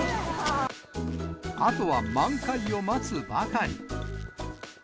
あとは満開を待つばかり。